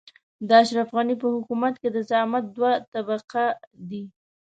د اشرف غني په حکومت کې د زعامت دوه قطبه دي.